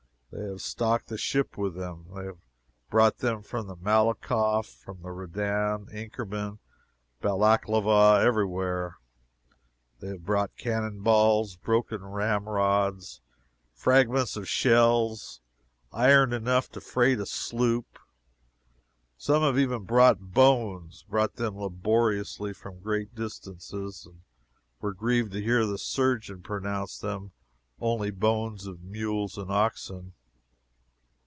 They have stocked the ship with them. They brought them from the Malakoff, from the Redan, Inkerman, Balaklava every where. They have brought cannon balls, broken ramrods, fragments of shell iron enough to freight a sloop. Some have even brought bones brought them laboriously from great distances, and were grieved to hear the surgeon pronounce them only bones of mules and oxen.